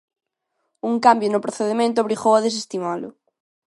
Un cambio no procedemento obrigou a desestimalo.